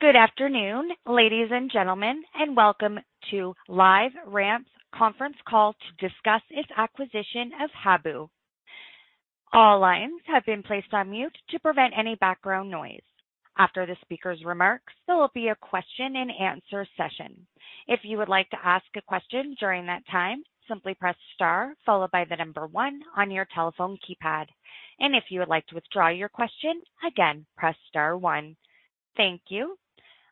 Good afternoon, ladies and gentlemen, and welcome to LiveRamp's conference call to discuss its acquisition of Habu. All lines have been placed on mute to prevent any background noise. After the speaker's remarks, there will be a question and answer session. If you would like to ask a question during that time, simply press star followed by the number one on your telephone keypad. If you would like to withdraw your question, again, press star one. Thank you.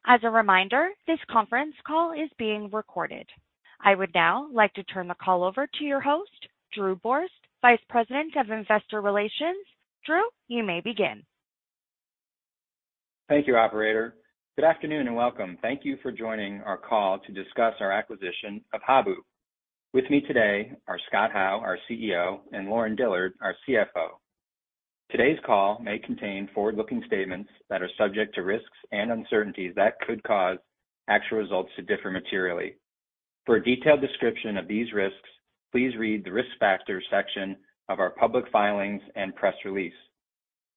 As a reminder, this conference call is being recorded. I would now like to turn the call over to your host, Drew Borst, Vice President of Investor Relations. Drew, you may begin. Thank you, operator. Good afternoon, and welcome. Thank you for joining our call to discuss our acquisition of Habu. With me today are Scott Howe, our CEO, and Lauren Dillard, our CFO. Today's call may contain forward-looking statements that are subject to risks and uncertainties that could cause actual results to differ materially. For a detailed description of these risks, please read the Risk Factors section of our public filings and press release.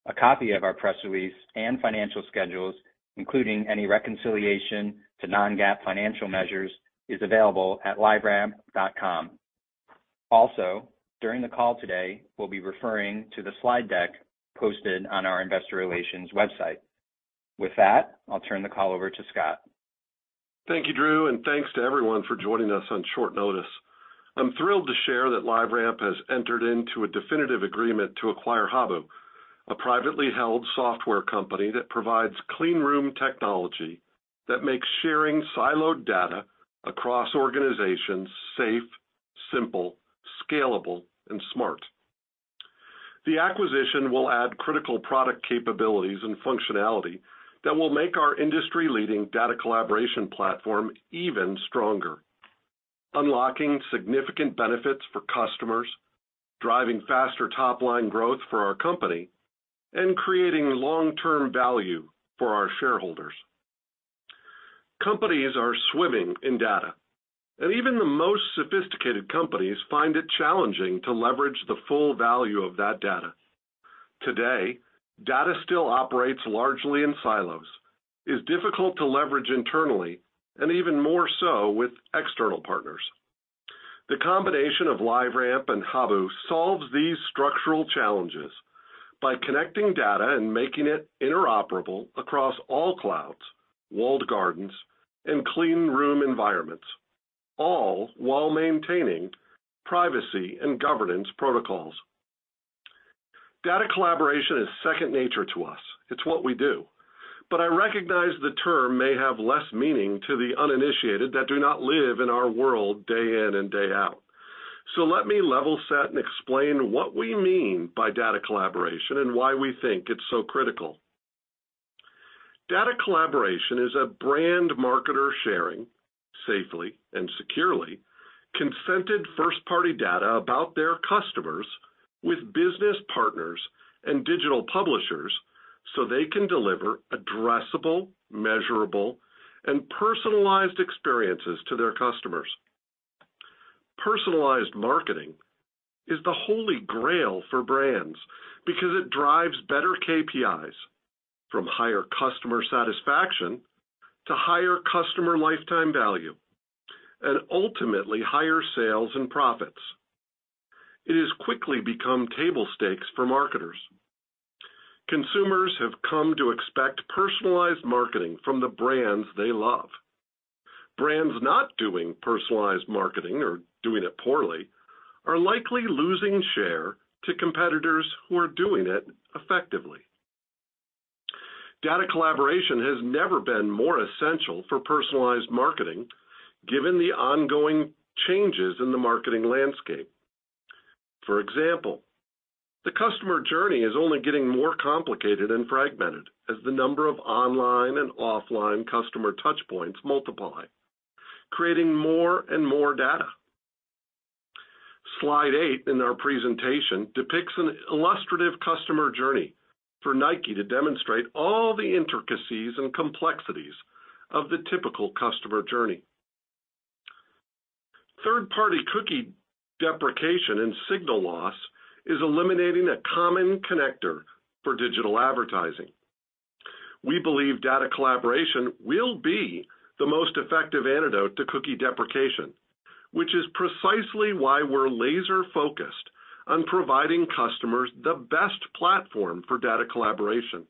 A copy of our press release and financial schedules, including any reconciliation to non-GAAP financial measures, is available at LiveRamp.com. Also, during the call today, we'll be referring to the slide deck posted on our investor relations website. With that, I'll turn the call over to Scott. Thank you, Drew, and thanks to everyone for joining us on short notice. I'm thrilled to share that LiveRamp has entered into a definitive agreement to acquire Habu, a privately held software company that provides clean room technology that makes sharing siloed data across organizations safe, simple, scalable, and smart. The acquisition will add critical product capabilities and functionality that will make our industry-leading data collaboration platform even stronger, unlocking significant benefits for customers, driving faster top-line growth for our company, and creating long-term value for our shareholders. Companies are swimming in data, and even the most sophisticated companies find it challenging to leverage the full value of that data. Today, data still operates largely in silos, is difficult to leverage internally, and even more so with external partners. The combination of LiveRamp and Habu solves these structural challenges by connecting data and making it interoperable across all clouds, walled gardens, and clean room environments, all while maintaining privacy and governance protocols. Data collaboration is second nature to us. It's what we do. But I recognize the term may have less meaning to the uninitiated that do not live in our world day in and day out. So let me level set and explain what we mean by data collaboration and why we think it's so critical. Data collaboration is a brand marketer sharing, safely and securely, consented first-party data about their customers with business partners and digital publishers, so they can deliver addressable, measurable, and personalized experiences to their customers. Personalized marketing is the holy grail for brands because it drives better KPIs, from higher customer satisfaction to higher customer lifetime value, and ultimately, higher sales and profits. It has quickly become table stakes for marketers. Consumers have come to expect personalized marketing from the brands they love. Brands not doing personalized marketing or doing it poorly are likely losing share to competitors who are doing it effectively. Data collaboration has never been more essential for personalized marketing, given the ongoing changes in the marketing landscape. For example, the customer journey is only getting more complicated and fragmented as the number of online and offline customer touchpoints multiply, creating more and more data. Slide 8 in our presentation depicts an illustrative customer journey for Nike to demonstrate all the intricacies and complexities of the typical customer journey. Third-party cookie deprecation and signal loss is eliminating a common connector for digital advertising. We believe data collaboration will be the most effective antidote to cookie deprecation, which is precisely why we're laser-focused on providing customers the best platform for data collaboration.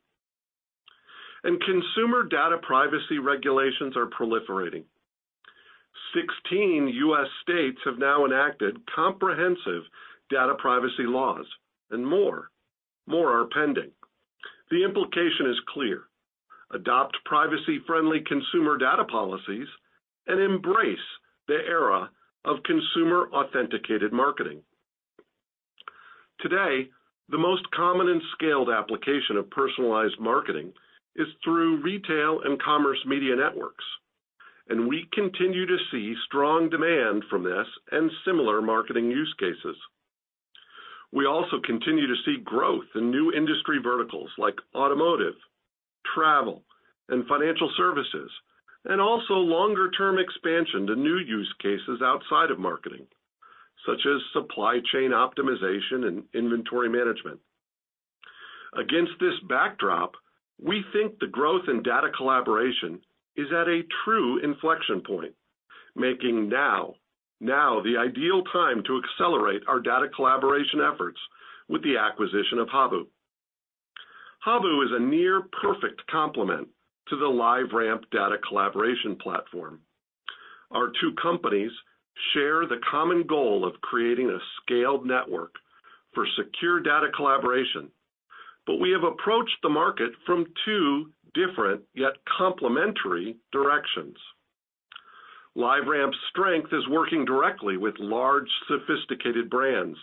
Consumer data privacy regulations are proliferating. 16 U.S. states have now enacted comprehensive data privacy laws and more, more are pending. The implication is clear: adopt privacy-friendly consumer data policies and embrace the era of consumer-authenticated marketing. Today, the most common and scaled application of personalized marketing is through retail and commerce media networks, and we continue to see strong demand from this and similar marketing use cases. We also continue to see growth in new industry verticals like automotive, travel, and financial services, and also longer-term expansion to new use cases outside of marketing... such as supply chain optimization and inventory management. Against this backdrop, we think the growth in data collaboration is at a true inflection point, making now, now the ideal time to accelerate our data collaboration efforts with the acquisition of Habu. Habu is a near perfect complement to the LiveRamp data collaboration platform. Our two companies share the common goal of creating a scaled network for secure data collaboration, but we have approached the market from two different, yet complementary directions. LiveRamp's strength is working directly with large, sophisticated brands.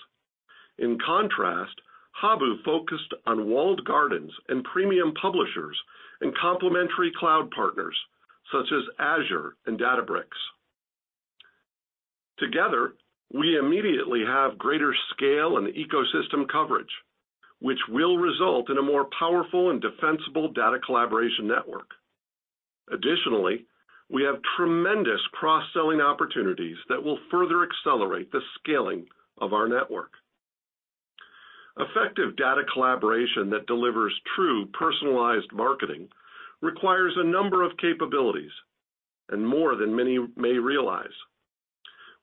In contrast, Habu focused on walled gardens and premium publishers and complementary cloud partners, such as Azure and Databricks. Together, we immediately have greater scale and ecosystem coverage, which will result in a more powerful and defensible data collaboration network. Additionally, we have tremendous cross-selling opportunities that will further accelerate the scaling of our network. Effective data collaboration that delivers true personalized marketing requires a number of capabilities, and more than many may realize.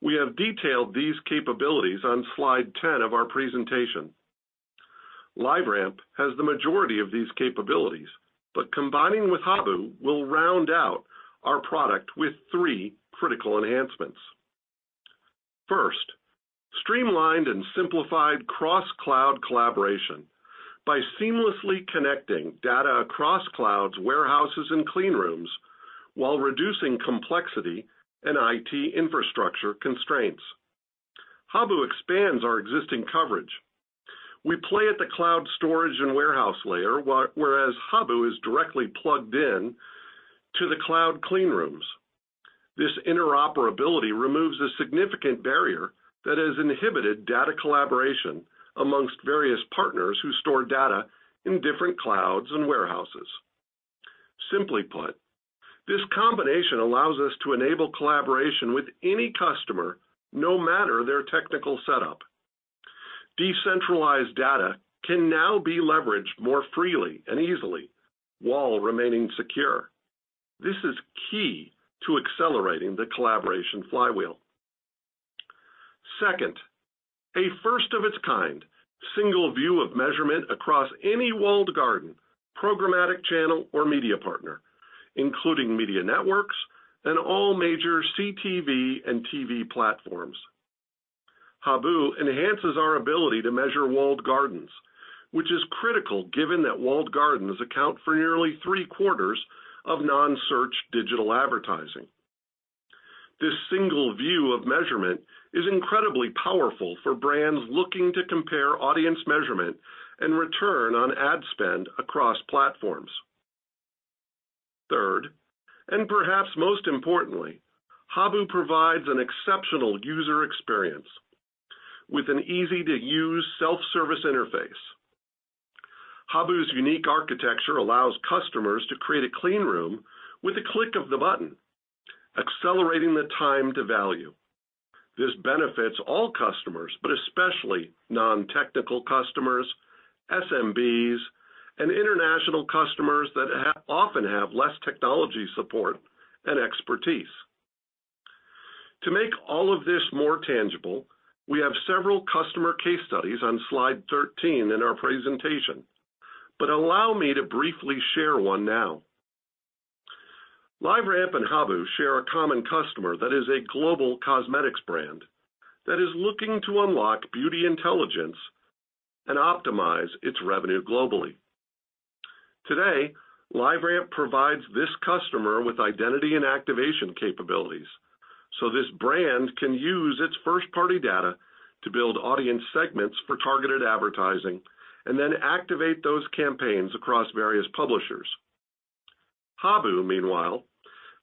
We have detailed these capabilities on slide 10 of our presentation. LiveRamp has the majority of these capabilities, but combining with Habu will round out our product with three critical enhancements. First, streamlined and simplified cross-cloud collaboration by seamlessly connecting data across clouds, warehouses, and clean rooms while reducing complexity and IT infrastructure constraints. Habu expands our existing coverage. We play at the cloud storage and warehouse layer, while, whereas Habu is directly plugged in to the cloud clean rooms. This interoperability removes a significant barrier that has inhibited data collaboration among various partners who store data in different clouds and warehouses. Simply put, this combination allows us to enable collaboration with any customer, no matter their technical setup. Decentralized data can now be leveraged more freely and easily while remaining secure. This is key to accelerating the collaboration flywheel. Second, a first of its kind, single view of measurement across any walled garden, programmatic channel, or media partner, including media networks and all major CTV and TV platforms. Habu enhances our ability to measure walled gardens, which is critical given that walled gardens account for nearly three-quarters of non-search digital advertising. This single view of measurement is incredibly powerful for brands looking to compare audience measurement and return on ad spend across platforms. Third, and perhaps most importantly, Habu provides an exceptional user experience with an easy-to-use self-service interface. Habu's unique architecture allows customers to create a clean room with a click of the button, accelerating the time to value. This benefits all customers, but especially non-technical customers, SMBs, and international customers that often have less technology support and expertise. To make all of this more tangible, we have several customer case studies on slide 13 in our presentation, but allow me to briefly share one now. LiveRamp and Habu share a common customer that is a global cosmetics brand, that is looking to unlock beauty intelligence and optimize its revenue globally. Today, LiveRamp provides this customer with identity and activation capabilities, so this brand can use its first-party data to build audience segments for targeted advertising and then activate those campaigns across various publishers. Habu, meanwhile,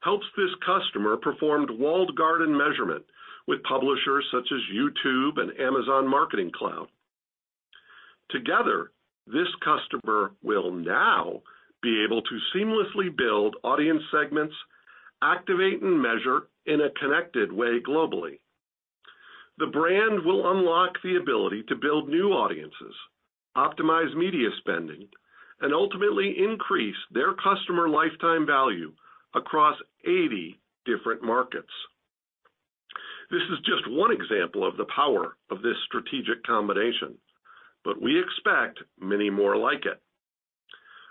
helps this customer perform walled garden measurement with publishers such as YouTube and Amazon Marketing Cloud. Together, this customer will now be able to seamlessly build audience segments, activate, and measure in a connected way globally. The brand will unlock the ability to build new audiences, optimize media spending, and ultimately increase their customer lifetime value across 80 different markets. This is just one example of the power of this strategic combination, but we expect many more like it.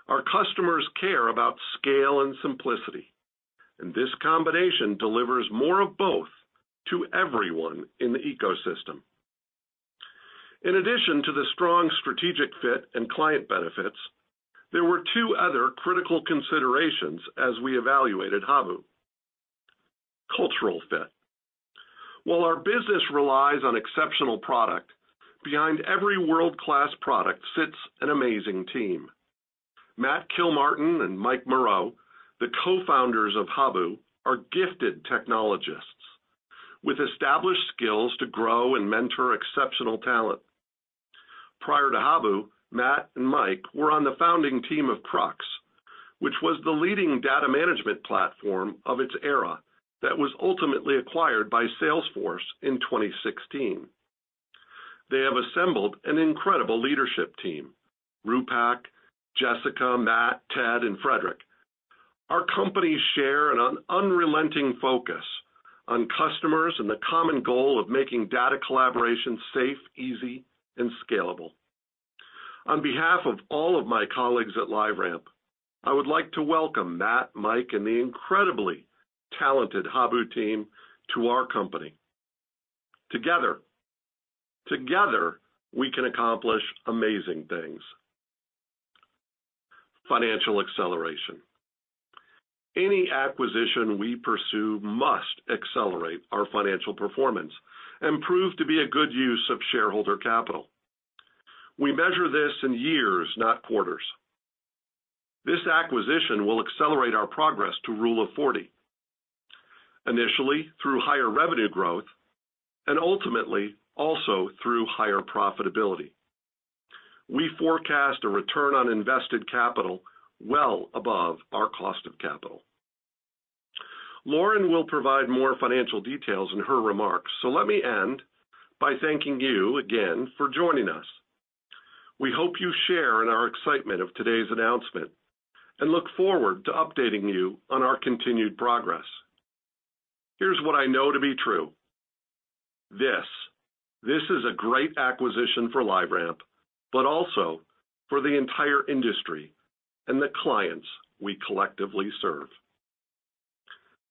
Our customers care about scale and simplicity, and this combination delivers more of both to everyone in the ecosystem. In addition to the strong strategic fit and client benefits, there were two other critical considerations as we evaluated Habu. Cultural fit. While our business relies on exceptional product, behind every world-class product sits an amazing team. Matt Kilmartin and Mike Moreau, the co-founders of Habu, are gifted technologists with established skills to grow and mentor exceptional talent.... Prior to Habu, Matt and Mike were on the founding team of Krux, which was the leading data management platform of its era, that was ultimately acquired by Salesforce in 2016. They have assembled an incredible leadership team, Rupak, Jessica, Matt, Ted, and Frederic. Our companies share an unrelenting focus on customers and the common goal of making data collaboration safe, easy, and scalable. On behalf of all of my colleagues at LiveRamp, I would like to welcome Matt, Mike, and the incredibly talented Habu team to our company. Together, we can accomplish amazing things. Financial acceleration. Any acquisition we pursue must accelerate our financial performance and prove to be a good use of shareholder capital. We measure this in years, not quarters. This acquisition will accelerate our progress to Rule of 40, initially through higher revenue growth, and ultimately also through higher profitability. We forecast a return on invested capital well above our cost of capital. Lauren will provide more financial details in her remarks, so let me end by thanking you again for joining us. We hope you share in our excitement of today's announcement and look forward to updating you on our continued progress. Here's what I know to be true. This, this is a great acquisition for LiveRamp, but also for the entire industry and the clients we collectively serve.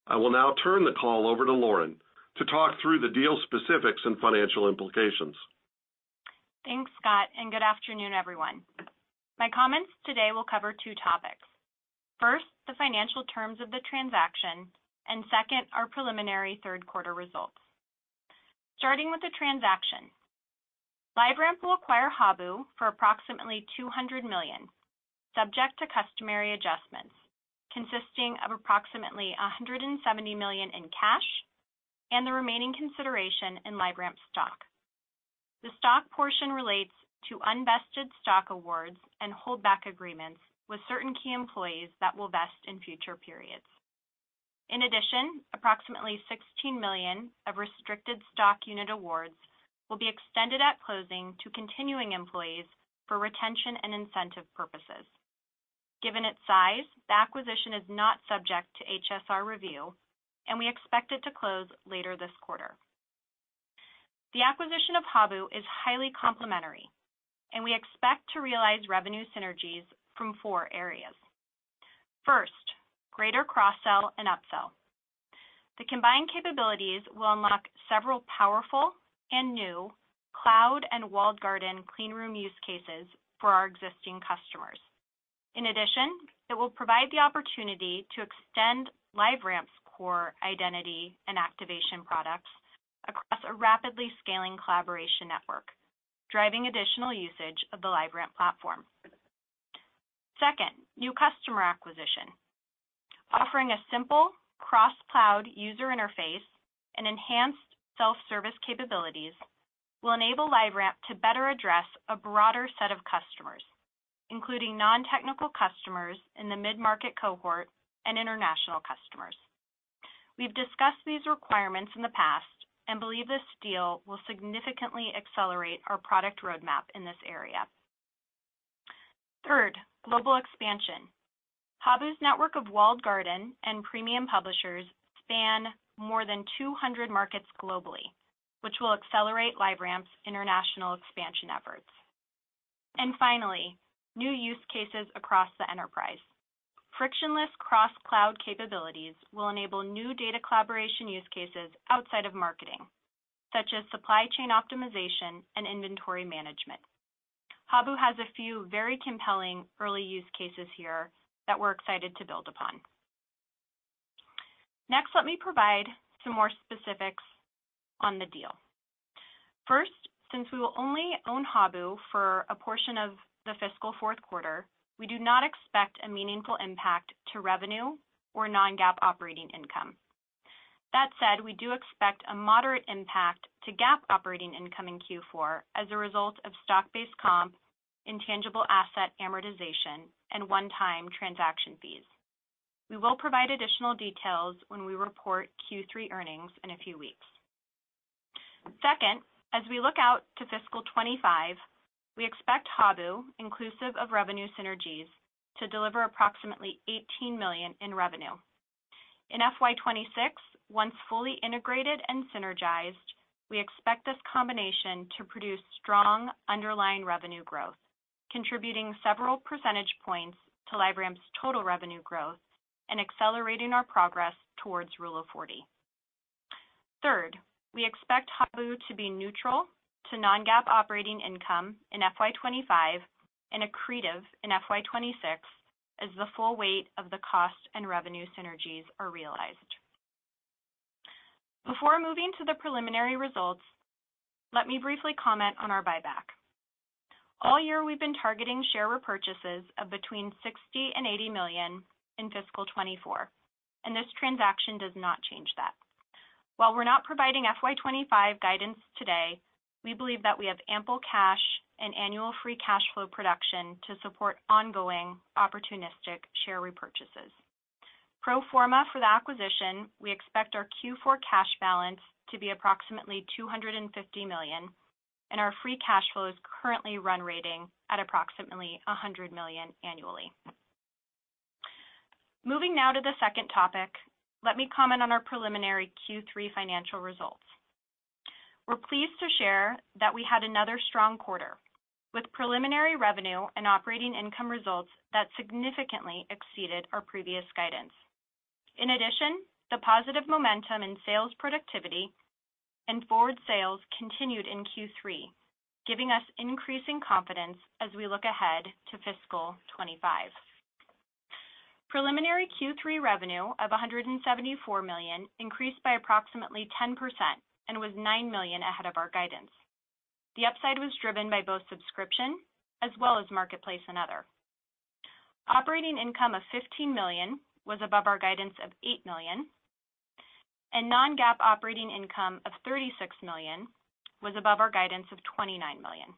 I will now turn the call over to Lauren to talk through the deal specifics and financial implications. Thanks, Scott, and good afternoon, everyone. My comments today will cover two topics. First, the financial terms of the transaction, and second, our preliminary Q3 results. Starting with the transaction, LiveRamp will acquire Habu for approximately $200 million, subject to customary adjustments, consisting of approximately $170 million in cash and the remaining consideration in LiveRamp stock. The stock portion relates to unvested stock awards and holdback agreements with certain key employees that will vest in future periods. In addition, approximately $16 million of restricted stock unit awards will be extended at closing to continuing employees for retention and incentive purposes. Given its size, the acquisition is not subject to HSR review, and we expect it to close later this quarter. The acquisition of Habu is highly complementary, and we expect to realize revenue synergies from four areas. First, greater cross-sell and upsell. The combined capabilities will unlock several powerful and new cloud and walled garden clean room use cases for our existing customers. In addition, it will provide the opportunity to extend LiveRamp's core identity and activation products across a rapidly scaling collaboration network, driving additional usage of the LiveRamp platform. Second, new customer acquisition. Offering a simple cross-cloud user interface and enhanced self-service capabilities will enable LiveRamp to better address a broader set of customers, including non-technical customers in the mid-market cohort and international customers. We've discussed these requirements in the past and believe this deal will significantly accelerate our product roadmap in this area. Third, global expansion. Habu's network of walled garden and premium publishers span more than 200 markets globally, which will accelerate LiveRamp's international expansion efforts. And finally, new use cases across the enterprise. Frictionless cross-cloud capabilities will enable new data collaboration use cases outside of marketing, such as supply chain optimization and inventory management. Habu has a few very compelling early use cases here that we're excited to build upon. Next, let me provide some more specifics on the deal. First, since we will only own Habu for a portion of the fiscal Q4, we do not expect a meaningful impact to revenue or non-GAAP operating income. That said, we do expect a moderate impact to GAAP operating income in Q4 as a result of stock-based comp, intangible asset amortization, and one-time transaction fees. We will provide additional details when we report Q3 earnings in a few weeks. Second, as we look out to fiscal 2025, we expect Habu, inclusive of revenue synergies, to deliver approximately $18 million in revenue. In FY 2026, once fully integrated and synergized, we expect this combination to produce strong underlying revenue growth, contributing several percentage points to LiveRamp's total revenue growth and accelerating our progress towards Rule of 40. Third, we expect Habu to be neutral to non-GAAP operating income in FY 2025 and accretive in FY 2026 as the full weight of the cost and revenue synergies are realized. Before moving to the preliminary results, let me briefly comment on our buyback. All year, we've been targeting share repurchases of between $60 million and $80 million in fiscal 2024, and this transaction does not change that.... While we're not providing FY 2025 guidance today, we believe that we have ample cash and annual free cash flow production to support ongoing opportunistic share repurchases. Pro forma for the acquisition, we expect our Q4 cash balance to be approximately $250 million, and our free cash flow is currently run-rate at approximately $100 million annually. Moving now to the second topic, let me comment on our preliminary Q3 financial results. We're pleased to share that we had another strong quarter, with preliminary revenue and operating income results that significantly exceeded our previous guidance. In addition, the positive momentum in sales productivity and forward sales continued in Q3, giving us increasing confidence as we look ahead to fiscal 2025. Preliminary Q3 revenue of $174 million increased by approximately 10% and was $9 million ahead of our guidance. The upside was driven by both subscription as well as marketplace and other. Operating income of $15 million was above our guidance of $8 million, and non-GAAP operating income of $36 million was above our guidance of $29 million.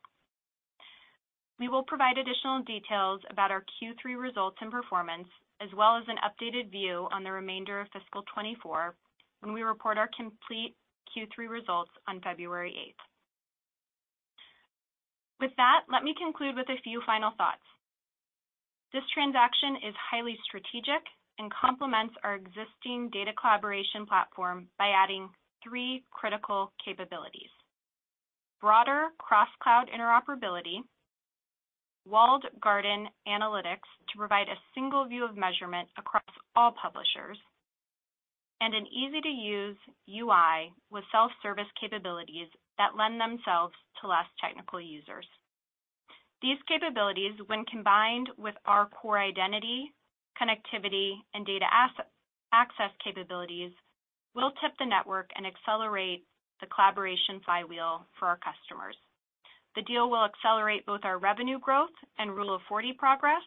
We will provide additional details about our Q3 results and performance, as well as an updated view on the remainder of fiscal 2024 when we report our complete Q3 results on February eighth. With that, let me conclude with a few final thoughts. This transaction is highly strategic and complements our existing data collaboration platform by adding three critical capabilities: broader cross-cloud interoperability, walled garden analytics to provide a single view of measurement across all publishers, and an easy-to-use UI with self-service capabilities that lend themselves to less technical users. These capabilities, when combined with our core identity, connectivity, and data-as-a-service capabilities, will tip the network and accelerate the collaboration flywheel for our customers. The deal will accelerate both our revenue growth and Rule of 40 progress.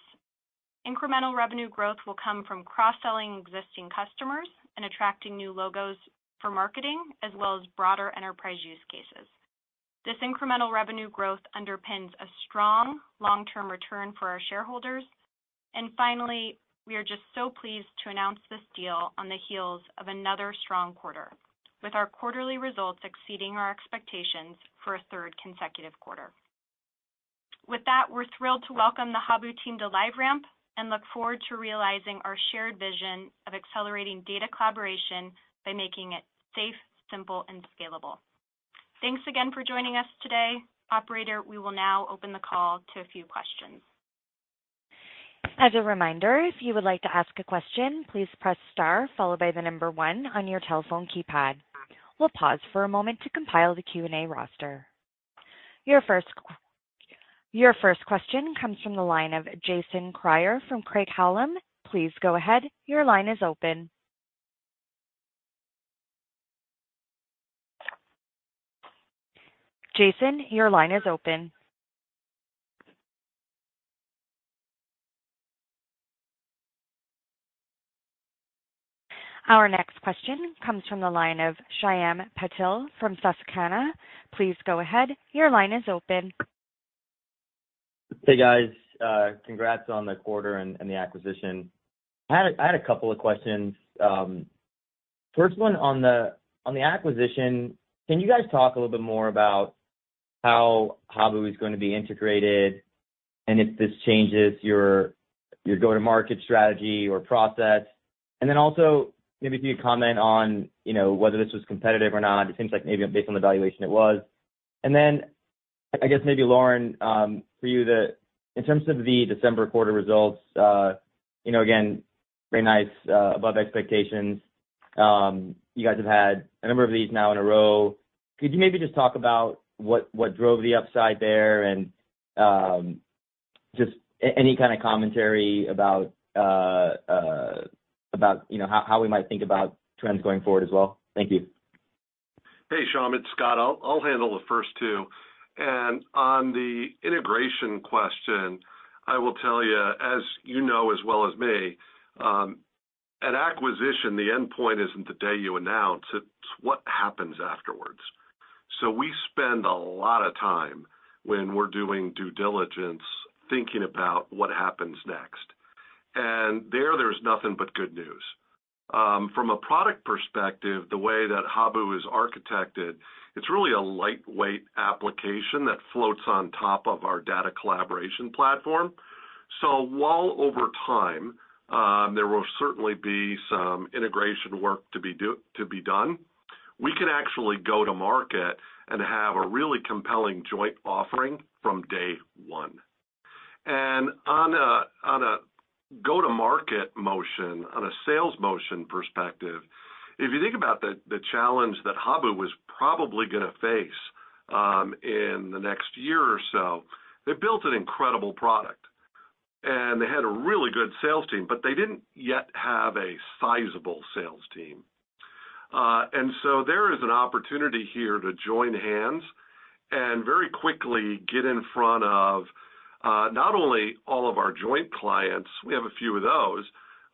Incremental revenue growth will come from cross-selling existing customers and attracting new logos for marketing, as well as broader enterprise use cases. This incremental revenue growth underpins a strong long-term return for our shareholders. And finally, we are just so pleased to announce this deal on the heels of another strong quarter, with our quarterly results exceeding our expectations for a third consecutive quarter. With that, we're thrilled to welcome the Habu team to LiveRamp and look forward to realizing our shared vision of accelerating data collaboration by making it safe, simple, and scalable. Thanks again for joining us today. Operator, we will now open the call to a few questions. As a reminder, if you would like to ask a question, please press star followed by the number one on your telephone keypad. We'll pause for a moment to compile the Q&A roster. Your first question comes from the line of Jason Kreyer from Craig-Hallum. Please go ahead. Your line is open. Jason, your line is open. Our next question comes from the line of Shyam Patil from Susquehanna. Please go ahead. Your line is open. Hey, guys, congrats on the quarter and the acquisition. I had a couple of questions. First one on the acquisition, can you guys talk a little bit more about how Habu is going to be integrated and if this changes your go-to-market strategy or process? And then also, maybe if you could comment on, you know, whether this was competitive or not. It seems like maybe based on the valuation; it was. And then I guess maybe, Lauren, for you, the, in terms of the December quarter results, you know, again, very nice, above expectations. You guys have had a number of these now in a row. Could you maybe just talk about what drove the upside there? Just any kind of commentary about, you know, how we might think about trends going forward as well. Thank you. Hey, Shyam, it's Scott. I'll handle the first two. And on the integration question, I will tell you, as you know as well as me, at acquisition, the endpoint isn't the day you announce, it's what happens afterwards. So we spend a lot of time when we're doing due diligence, thinking about what happens next. And there, there's nothing but good news. From a product perspective, the way that Habu is architected, it's really a lightweight application that floats on top of our data collaboration platform. So while over time, there will certainly be some integration work to be done, we can actually go to market and have a really compelling joint offering from day one. On a go-to-market motion, on a sales motion perspective, if you think about the challenge that Habu was probably gonna face, in the next year or so, they built an incredible product, and they had a really good sales team, but they didn't yet have a sizable sales team. And so there is an opportunity here to join hands and very quickly get in front of, not only all of our joint clients, we have a few of those,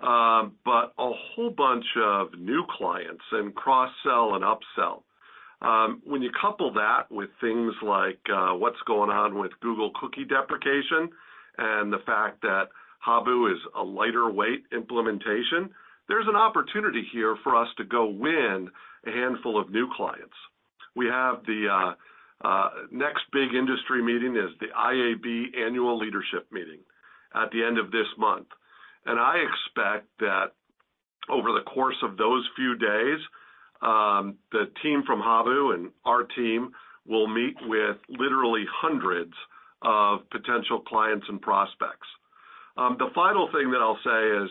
but a whole bunch of new clients and cross-sell and upsell. When you couple that with things like, what's going on with Google Cookie deprecation and the fact that Habu is a lighter weight implementation, there's an opportunity here for us to go win a handful of new clients. We have the next big industry meeting is the IAB Annual Leadership Meeting at the end of this month. I expect that over the course of those few days, the team from Habu and our team will meet with literally hundreds of potential clients and prospects. The final thing that I'll say is,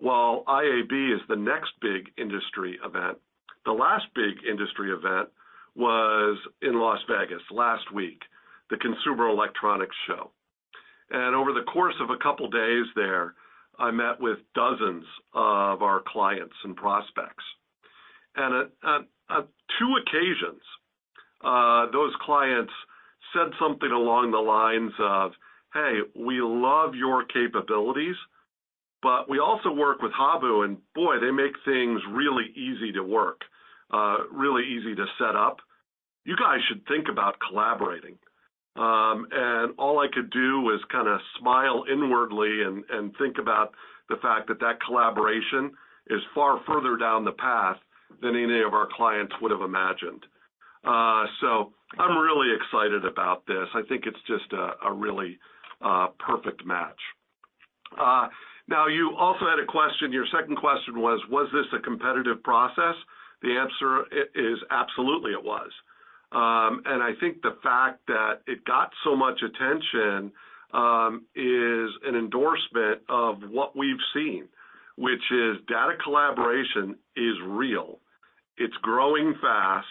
while IAB is the next big industry event, the last big industry event was in Las Vegas last week, the Consumer Electronics Show. Over the course of a couple of days there, I met with dozens of our clients and prospects. At two occasions, those clients said something along the lines of, "Hey, we love your capabilities, but we also work with Habu, and boy, they make things really easy to work, really easy to set up. You guys should think about collaborating." And all I could do was kind of smile inwardly and think about the fact that that collaboration is far further down the path than any of our clients would have imagined. So I'm really excited about this. I think it's just a really perfect match. Now, you also had a question, your second question was: Was this a competitive process? The answer is absolutely it was. And I think the fact that it got so much attention is an endorsement of what we've seen, which is data collaboration is real. It's growing fast.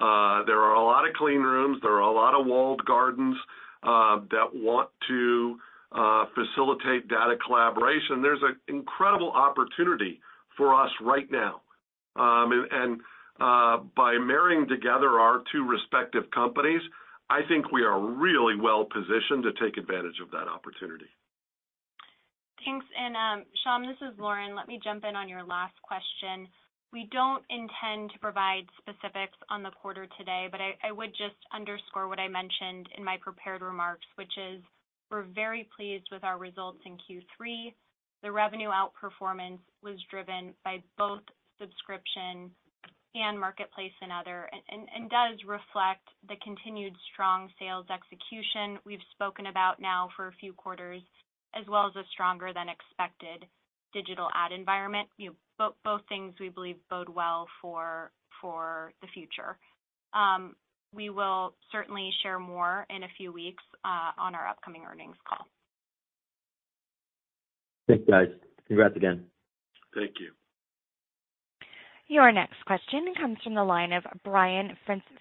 There are a lot of clean rooms, there are a lot of walled gardens that want to facilitate data collaboration. There's an incredible opportunity for us right now. By marrying together our two respective companies, I think we are really well-positioned to take advantage of that opportunity. Thanks. And, Shyam, this is Lauren. Let me jump in on your last question. We don't intend to provide specifics on the quarter today, but I would just underscore what I mentioned in my prepared remarks, which is we're very pleased with our results in Q3. The revenue outperformance was driven by both subscription and marketplace and other, and does reflect the continued strong sales execution we've spoken about now for a few quarters, as well as a stronger than expected digital ad environment. Both things we believe bode well for the future. We will certainly share more in a few weeks on our upcoming earnings call. Thanks, guys. Congrats again. Thank you. Your next question comes from the line of Brian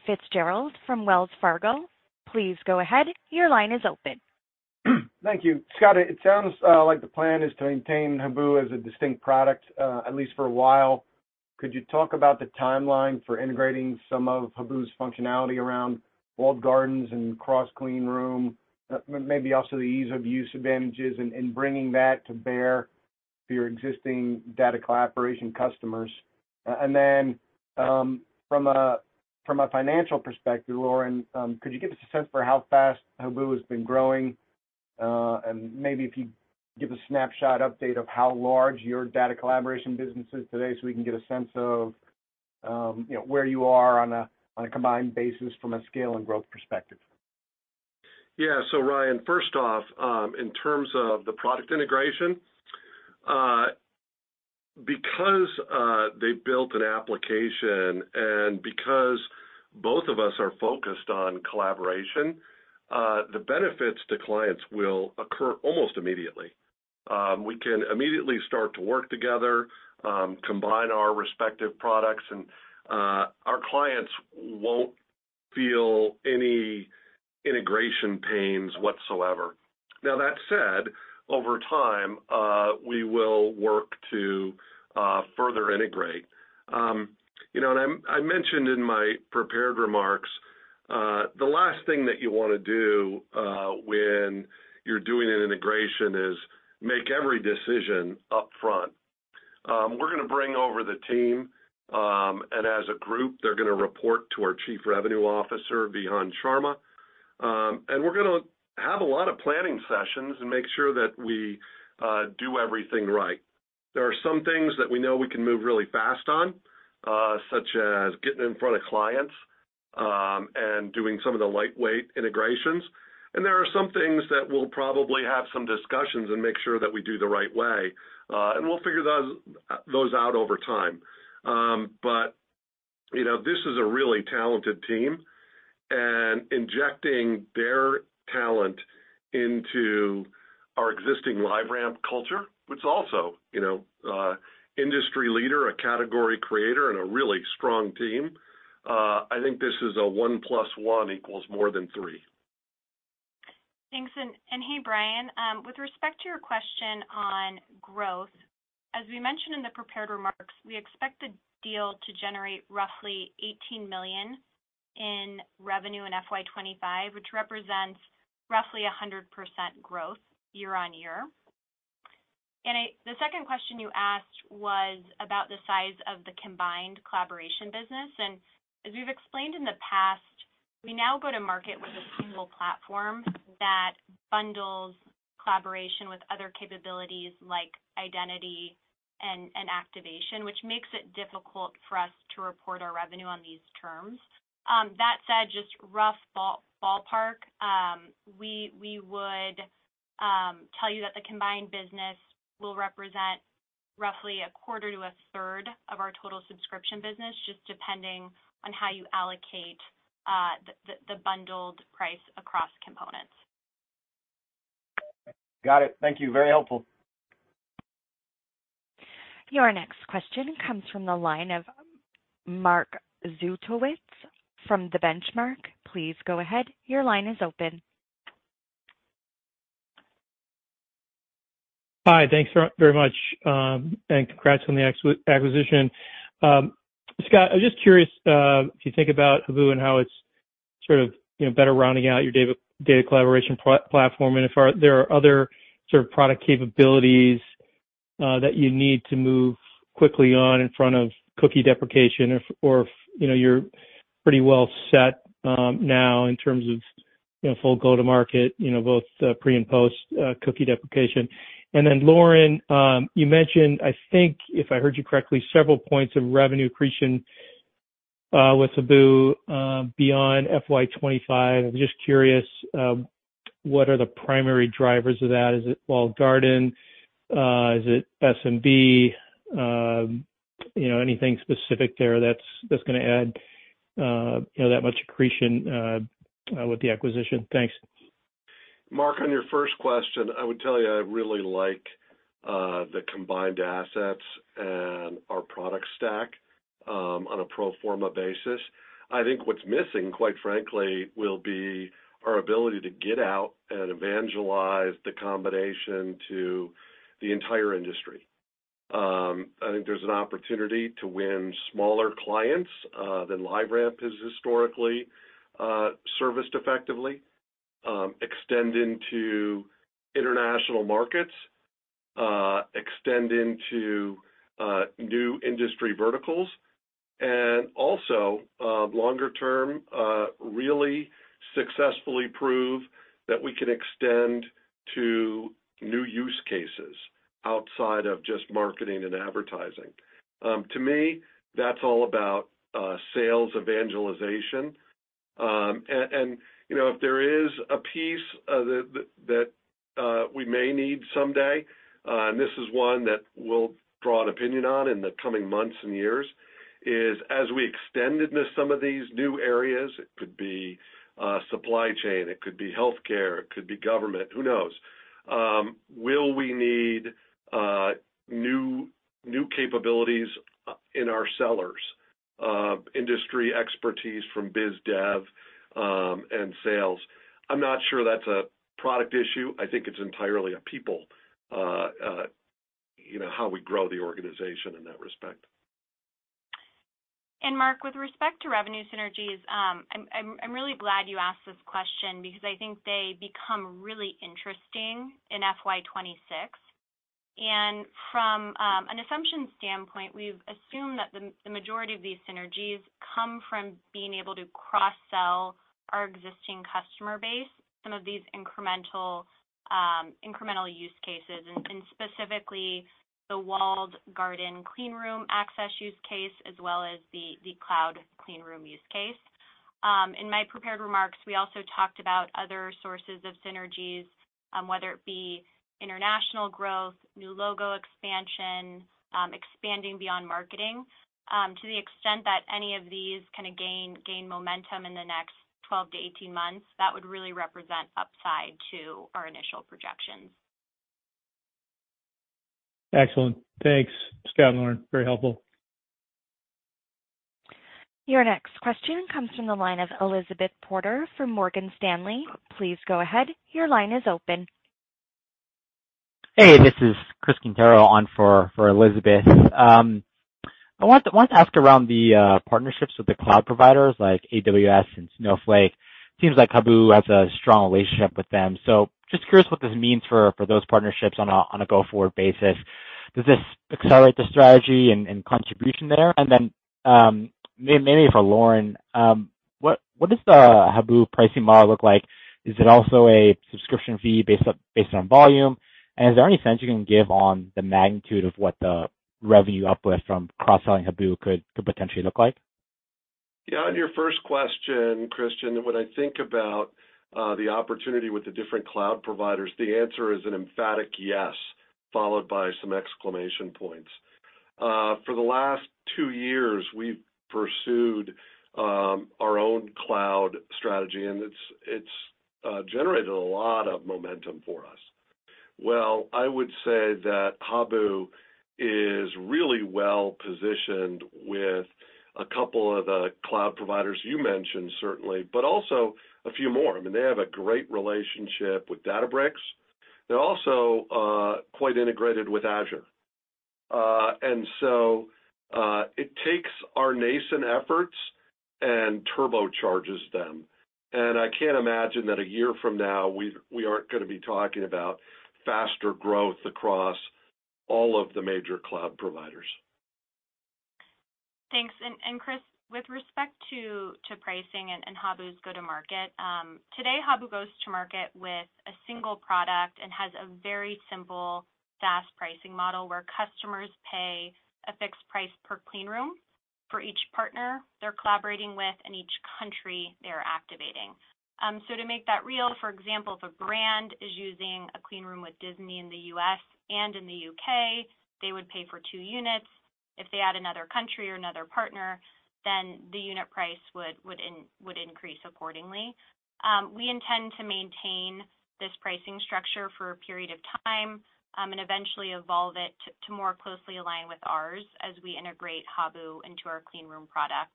Fitzgerald from Wells Fargo. Please go ahead. Your line is open. Thank you. Scott, it sounds like the plan is to maintain Habu as a distinct product, at least for a while. Could you talk about the timeline for integrating some of Habu's functionality around walled gardens and cross clean room, maybe also the ease of use advantages and bringing that to bear for your existing data collaboration customers? And then, from a financial perspective, Lauren, could you give us a sense for how fast Habu has been growing? And maybe if you give a snapshot update of how large your data collaboration business is today, so we can get a sense of, you know, where you are on a combined basis from a scale and growth perspective. Yeah. So, Brian, first off, in terms of the product integration, because they built an application and because both of us are focused on collaboration, the benefits to clients will occur almost immediately. We can immediately start to work together, combine our respective products, and our clients won't feel any integration pains whatsoever. Now, that said, over time, we will work to further integrate. You know, I mentioned in my prepared remarks, the last thing that you want to do when you're doing an integration is make every decision upfront. We're gonna bring over the team, and as a group, they're gonna report to our Chief Revenue Officer, Vihan Sharma. And we're gonna have a lot of planning sessions and make sure that we do everything right. There are some things that we know we can move really fast on, such as getting in front of clients, and doing some of the lightweight integrations. There are some things that we'll probably have some discussions and make sure that we do the right way, and we'll figure those, those out over time. But you know, this is a really talented team, and injecting their talent into our existing LiveRamp culture, which is also, you know, industry leader, a category creator, and a really strong team, I think this is a one plus one equals more than three. Thanks. Hey, Brian, with respect to your question on growth, as we mentioned in the prepared remarks, we expect the deal to generate roughly $18 million in revenue in FY 2025, which represents roughly 100% growth year-on-year. And the second question you asked was about the size of the combined collaboration business. And as we've explained in the past, we now go to market with a single platform that bundles collaboration with other capabilities like identity and activation, which makes it difficult for us to report our revenue on these terms. That said, just rough ballpark, we would tell you that the combined business will represent roughly a quarter to a third of our total subscription business, just depending on how you allocate the bundled price across components. Got it. Thank you. Very helpful. Your next question comes from the line of Mark Zgutowicz from The Benchmark. Please go ahead. Your line is open. Hi, thanks very much, and congrats on the acquisition. Scott, I'm just curious, if you think about Habu and how it's sort of, you know, better rounding out your data collaboration platform, and if there are other sort of product capabilities that you need to move quickly on in front of cookie deprecation, or if you know, you're pretty well set now in terms of, you know, full go-to-market, you know, both the pre and post cookie deprecation. And then, Lauren, you mentioned, I think, if I heard you correctly, several points of revenue accretion with Habu beyond FY 25. I'm just curious, what are the primary drivers of that? Is it walled garden? Is it SMB? You know, anything specific there that's, that's gonna add, you know, that much accretion with the acquisition? Thanks. Mark, on your first question, I would tell you I really like the combined assets and our product stack on a pro forma basis. I think what's missing, quite frankly, will be our ability to get out and evangelize the combination to the entire industry. I think there's an opportunity to win smaller clients than LiveRamp has historically serviced effectively, extend into international markets, extend into new industry verticals, and also, longer term, really successfully prove that we can extend to new use cases outside of just marketing and advertising. To me, that's all about sales evangelization. And, you know, if there is a piece that we may need someday, and this is one that we'll draw an opinion on in the coming months and years, is as we extend into some of these new areas, it could be supply chain, it could be healthcare, it could be government, who knows? Will we need new capabilities in our sellers of industry expertise from BizDev and sales? I'm not sure that's a product issue. I think it's entirely a people, you know, how we grow the organization in that respect. Mark, with respect to revenue synergies, I'm really glad you asked this question because I think they become really interesting in FY 2026. From an assumption standpoint, we've assumed that the majority of these synergies come from being able to cross-sell our existing customer base, some of these incremental use cases, and specifically the walled garden clean room access use case, as well as the cloud clean room use case. In my prepared remarks, we also talked about other sources of synergies, whether it be international growth, new logo expansion, expanding beyond marketing. To the extent that any of these kinda gain momentum in the next 12-18 months, that would really represent upside to our initial projections. Excellent. Thanks, Scott and Lauren. Very helpful. Your next question comes from the line of Elizabeth Porter from Morgan Stanley. Please go ahead. Your line is open. Hey, this is Christian Quintero on for Elizabeth. I want to ask around the partnerships with the cloud providers like AWS and Snowflake. Seems like Habu has a strong relationship with them. So just curious what this means for those partnerships on a go-forward basis. Does this accelerate the strategy and contribution there? And then, maybe for Lauren, what does the Habu pricing model look like? Is it also a subscription fee based on volume? And is there any sense you can give on the magnitude of what the revenue uplift from cross-selling Habu could potentially look like? Yeah, on your first question, Christian, when I think about the opportunity with the different cloud providers, the answer is an emphatic yes, followed by some exclamation points. For the last two years, we've pursued our own cloud strategy, and it's generated a lot of momentum for us. Well, I would say that Habu is really well-positioned with a couple of the cloud providers you mentioned, certainly, but also a few more. I mean, they have a great relationship with Databricks. They're also quite integrated with Azure. And so, it takes our nascent efforts and turbocharges them. And I can't imagine that a year from now, we aren't gonna be talking about faster growth across all of the major cloud providers. Thanks. And Chris, with respect to pricing and Habu's go-to-market, today, Habu goes to market with a single product and has a very simple SaaS pricing model where customers pay a fixed price per clean room for each partner they're collaborating with and each country they're activating. So to make that real, for example, if a brand is using a clean room with Disney in the U.S. and in the U.K., they would pay for two units. If they add another country or another partner, then the unit price would increase accordingly. We intend to maintain this pricing structure for a period of time, and eventually evolve it to more closely align with ours as we integrate Habu into our clean room product,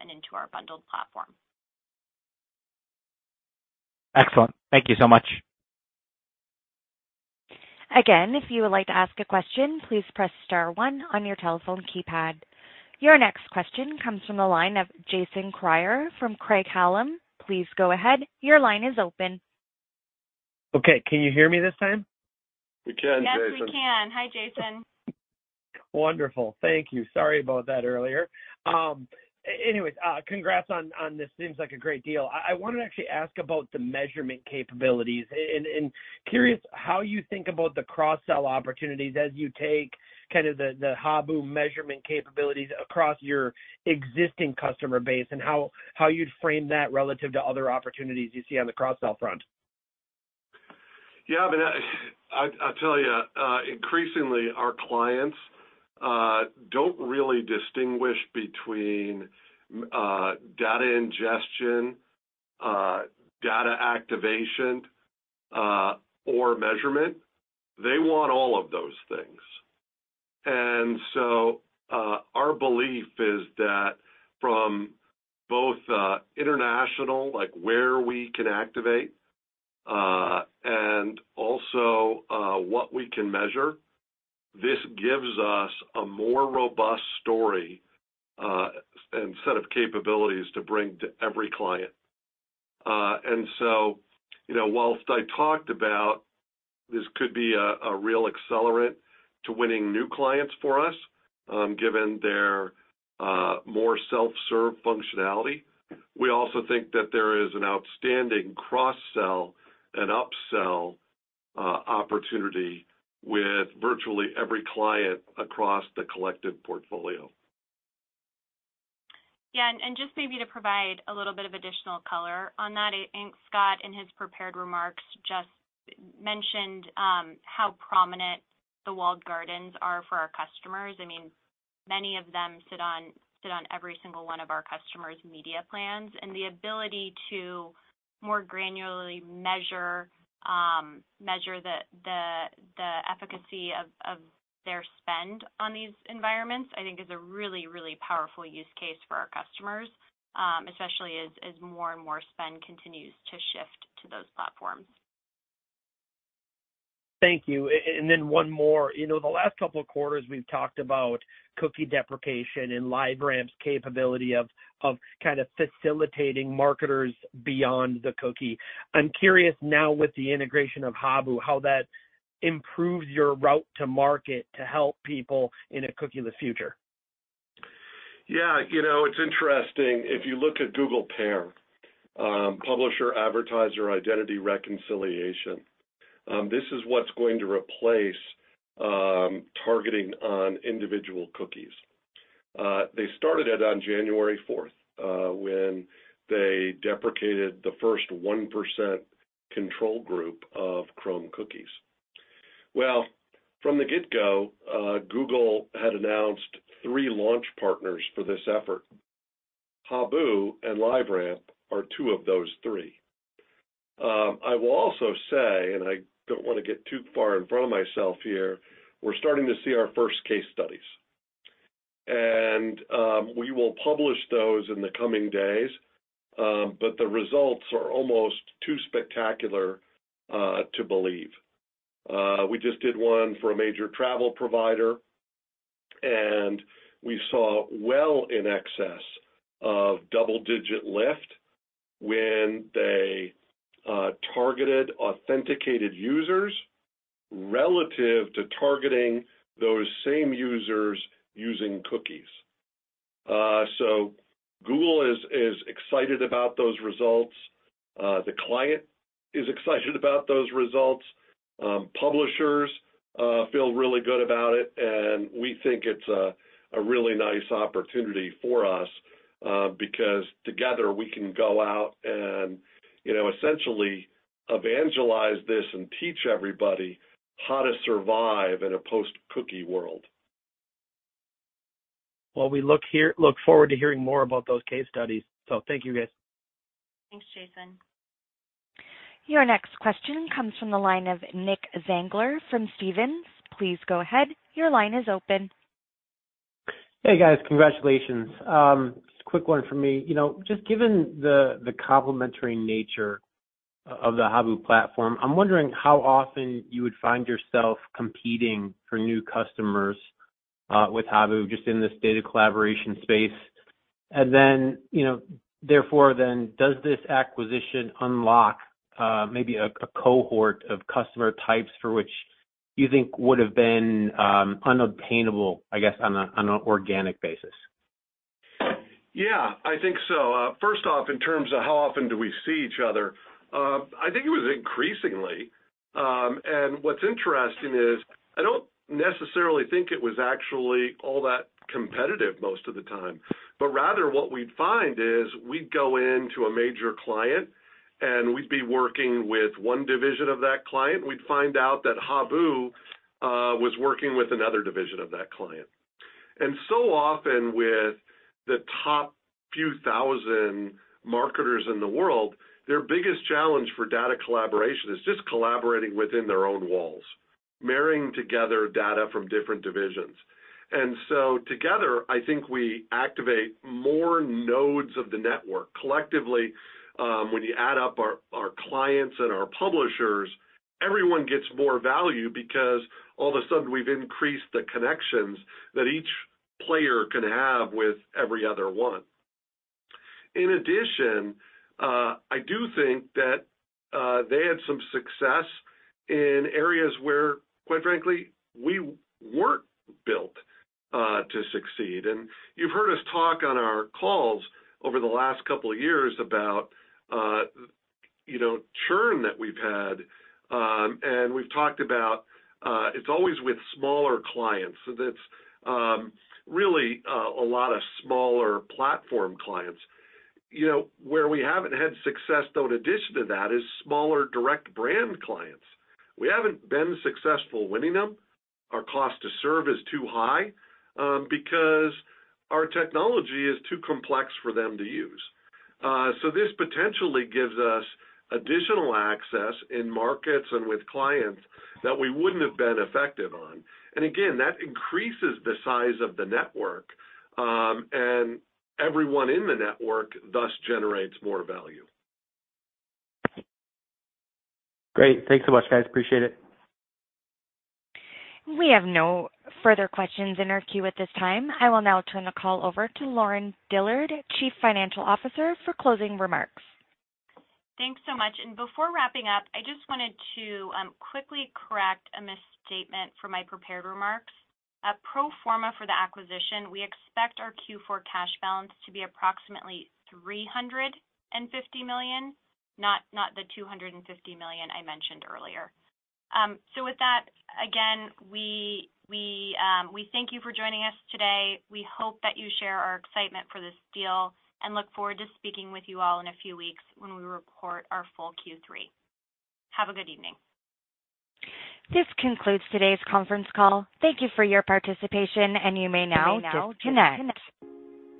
and into our bundled platform. Excellent. Thank you so much. Again, if you would like to ask a question, please press star one on your telephone keypad. Your next question comes from the line of Jason Kreyer from Craig-Hallum. Please go ahead. Your line is open. Okay. Can you hear me this time? We can, Jason. Yes, we can. Hi, Jason. Wonderful. Thank you. Sorry about that earlier. Anyways, congrats on this. Seems like a great deal. I wanted to actually ask about the measurement capabilities and curious how you think about the cross-sell opportunities as you take kind of the Habu measurement capabilities across your existing customer base, and how you'd frame that relative to other opportunities you see on the cross-sell front. Yeah, I mean, I'll tell you, increasingly, our clients don't really distinguish between data ingestion, data activation, or measurement. They want all of those things. And so, our belief is that from both international, like, where we can activate and also what we can measure, this gives us a more robust story and set of capabilities to bring to every client. And so, you know, while I talked about this could be a real accelerant to winning new clients for us, given their more self-serve functionality, we also think that there is an outstanding cross-sell and upsell opportunity with virtually every client across the collective portfolio. Yeah, and just maybe to provide a little bit of additional color on that, I think Scott, in his prepared remarks, just mentioned how prominent the walled gardens are for our customers. I mean, many of them sit on every single one of our customers' media plans, and the ability to more granularly measure the efficacy of their spend on these environments, I think, is a really, really powerful use case for our customers, especially as more and more spend continues to shift to those platforms. Thank you. And then one more. You know, the last couple of quarters, we've talked about cookie deprecation and LiveRamp's capability of kind of facilitating marketers beyond the cookie. I'm curious now, with the integration of Habu, how that improves your route to market to help people in a cookie-less future. Yeah, you know, it's interesting. If you look at Google PAIR, Publisher Advertiser Identity Reconciliation, this is what's going to replace targeting on individual cookies. They started it on January 4th, when they deprecated the first 1% control group of Chrome cookies. Well, from the get-go, Google had announced 3 launch partners for this effort. Habu and LiveRamp are two of those three. I will also say, and I don't want to get too far in front of myself here, we're starting to see our first case studies, and we will publish those in the coming days, but the results are almost too spectacular to believe. We just did one for a major travel provider, and we saw well in excess of double-digit lift when they targeted authenticated users relative to targeting those same users using cookies. So Google is excited about those results. The client is excited about those results. Publishers feel really good about it, and we think it's a really nice opportunity for us, because together, we can go out and, you know, essentially evangelize this and teach everybody how to survive in a post-cookie world.... Well, we look forward to hearing more about those case studies. Thank you, guys. Thanks, Jason. Your next question comes from the line of Nick Zangler from Stephens. Please go ahead. Your line is open. Hey, guys, congratulations. Just a quick one for me. You know, just given the complementary nature of the Habu platform, I'm wondering how often you would find yourself competing for new customers with Habu, just in this data collaboration space. And then, you know, therefore then, does this acquisition unlock maybe a cohort of customer types for which you think would have been unobtainable, I guess, on an organic basis? Yeah, I think so. First off, in terms of how often do we see each other, I think it was increasingly. And what's interesting is, I don't necessarily think it was actually all that competitive most of the time, but rather, what we'd find is we'd go into a major client, and we'd be working with one division of that client. We'd find out that Habu was working with another division of that client. And so often with the top few thousand marketers in the world, their biggest challenge for data collaboration is just collaborating within their own walls, marrying together data from different divisions. And so together, I think we activate more nodes of the network. Collectively, when you add up our clients and our publishers, everyone gets more value because all of a sudden we've increased the connections that each player can have with every other one. In addition, I do think that they had some success in areas where, quite frankly, we weren't built to succeed. And you've heard us talk on our calls over the last couple of years about you know, churn that we've had, and we've talked about it's always with smaller clients. So that's really a lot of smaller platform clients. You know, where we haven't had success, though, in addition to that, is smaller direct brand clients. We haven't been successful winning them. Our cost to serve is too high because our technology is too complex for them to use. So this potentially gives us additional access in markets and with clients that we wouldn't have been effective on. And again, that increases the size of the network, and everyone in the network thus generates more value. Great. Thanks so much, guys. Appreciate it. We have no further questions in our queue at this time. I will now turn the call over to Lauren Dillard, Chief Financial Officer, for closing remarks. Thanks so much. Before wrapping up, I just wanted to quickly correct a misstatement from my prepared remarks. At pro forma for the acquisition, we expect our Q4 cash balance to be approximately $350 million, not the $250 million I mentioned earlier. So with that, again, we thank you for joining us today. We hope that you share our excitement for this deal and look forward to speaking with you all in a few weeks when we report our full Q3. Have a good evening. This concludes today's conference call. Thank you for your participation, and you may now disconnect.